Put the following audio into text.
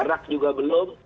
perak juga belum